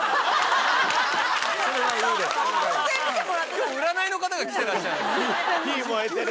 今日占いの方が来ていらっしゃる。